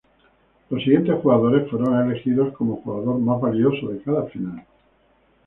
Los siguientes jugadores fueron elegidos como jugador más valioso de cada final.